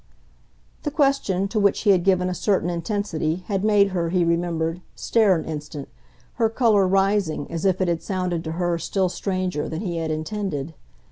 The question, to which he had given a certain intensity, had made her, he remembered, stare an instant, her colour rising as if it had sounded to her still stranger than he had intended.